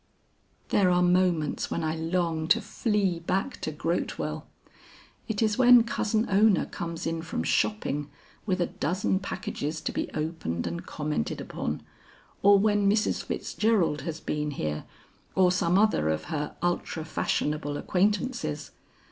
"There are moments when I long to flee back to Grotewell. It is when Cousin Ona comes in from shopping with a dozen packages to be opened and commented upon, or when Mrs. Fitzgerald has been here or some other of her ultra fashionable acquaintances.